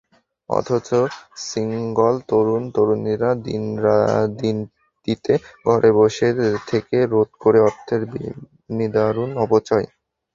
অথচ সিঙ্গল তরুণ-তরুণীরা দিনটিতে ঘরে বসে থেকে রোধ করে অর্থের নিদারুণ অপচয়।